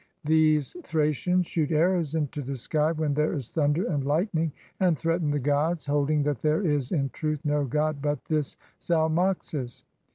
These Thracians shoot arrows into the sky when there is thunder and lightning, and threaten the gods, holding that there is in truth no god but this Zalmoxis.